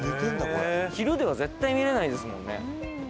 これ・昼では絶対見れないですもんね